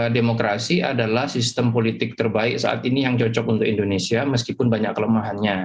demokrasi adalah sistem politik terbaik saat ini yang cocok untuk indonesia meskipun banyak kelemahannya